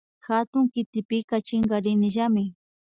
Hatun kitipika chinkarinillami